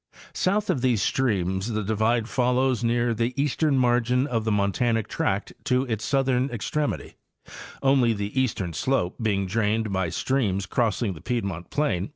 South of these streams the divide follows near the eastern margin of the montanic tract to its southern extremity, only the eastern slope being drained by streams crossing the piedmont plain to 14—Nart.